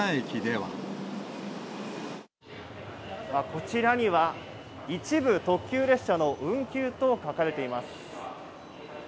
こちらには、一部特急列車の運休と書かれています。